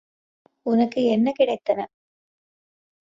உனக்கு என்ன கிடைத்தன?